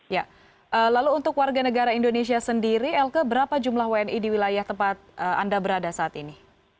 ya lalu untuk warga negara indonesia sendiri elke berapa jumlah wni di wilayah tempat anda berada saat ini